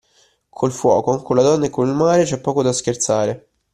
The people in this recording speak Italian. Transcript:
Col fuoco, con la donna e con il mare, c'è poco da scherzare.